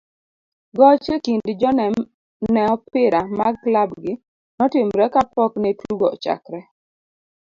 goch e kind jo ne opira mag klab gi notimre kapokne tugo ochakre,